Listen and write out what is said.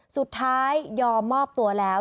สุดท้ายยอมมอบตัวแล้ว